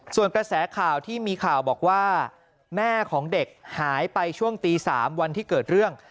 ส่วนกระแสข่าวที่มีข่าวบอกว่าแม่ของเด็กหายไปช่วงตี๓วันที่เกิดเรื่อง